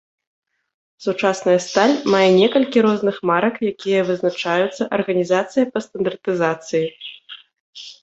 Сучасная сталь мае некалькі розных марак, якія вызначаюцца арганізацыяй па стандартызацыі.